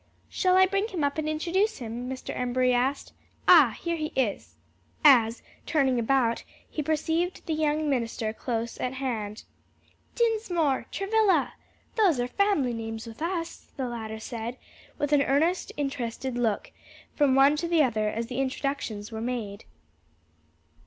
"Shall I bring him up and introduce him?" Mr. Embury asked. "Ah, here he is!" as, turning about, he perceived the young minister close at hand. "Dinsmore! Travilla! those are family names with us!" the latter said, with an earnest, interested look from one to the other as the introductions were made.